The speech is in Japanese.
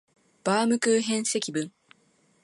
バームクーヘン積分